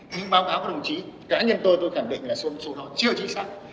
nhưng báo cáo của đồng chí cá nhân tôi tôi khẳng định là số đó chưa chính xác